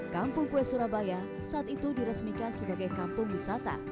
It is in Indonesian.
kampung kue surabaya saat itu diresmikan sebagai kampung wisata